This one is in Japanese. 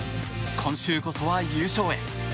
今週こそは優勝へ。